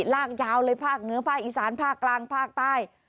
ลากยาวเลยภาคเหนือภาคอีสานภาคกลางภาคใต้